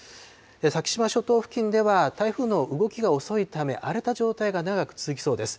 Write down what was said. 先島諸島付近では台風の動きが遅いため、荒れた状態が長く続きそうです。